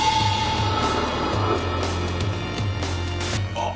あっ。